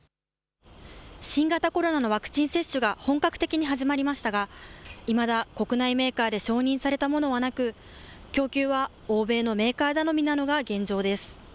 新型コロナのワクチン接種が本格的に始まりましたがいまだ国内メーカーで承認されたものはなく供給は欧米のメーカー頼みなのが現状です。